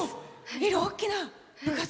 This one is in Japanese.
大きな部活！